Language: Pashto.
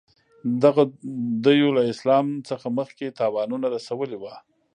دغه دېو له اسلام څخه مخکې تاوانونه رسولي وه.